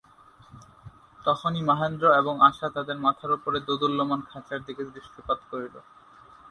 তখনই মহেন্দ্র এবং আশা তাহাদের মাথার উপরে দোদুল্যমান খাঁচার দিকে দৃষ্টিপাত করিল।